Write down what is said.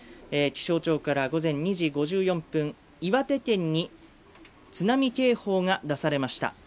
気象庁から午前２時５４分岩手県に津波警報が出されました。